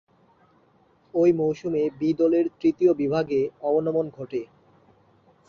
ঐ মৌসুমে বি দলের তৃতীয় বিভাগে অবনমন ঘটে।